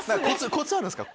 コツあるんすか？